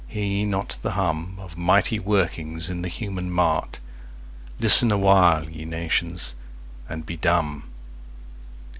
Hear ye not the humOf mighty workings in the human mart? Listen awhile, ye nations, and be dumb.